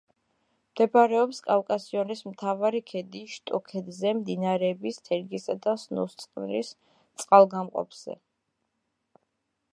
მდებარეობს კავკასიონის მთავარი ქედის შტოქედზე, მდინარეების თერგისა და სნოსწყლის წყალგამყოფზე.